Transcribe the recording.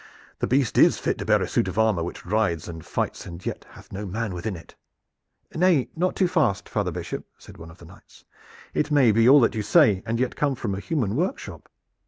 The beast is fit to bear a suit of armor which rides and fights and yet hath no man within it." "Nay, not too fast, father Bishop," said one of the knights. "It may be all that you say and yet come from a human workshop.